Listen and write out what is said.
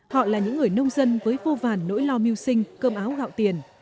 họ là những người nông dân với vô vàn nỗi lo miêu sinh cơm áo gạo tiền